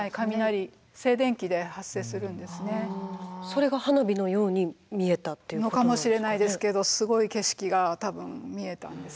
それが花火のように見えた？のかもしれないですけどすごい景色が多分見えたんですね。